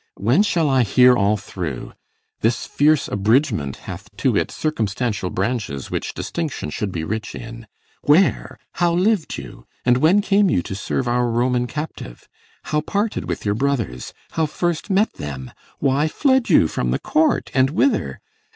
When shall I hear all through? This fierce abridgment Hath to it circumstantial branches, which Distinction should be rich in. Where? how liv'd you? And when came you to serve our Roman captive? How parted with your brothers? how first met them? Why fled you from the court? and whither?